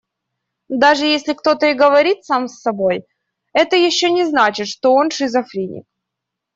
Даже если кто-то и говорит сам с собой, это ещё не значит, что он шизофреник.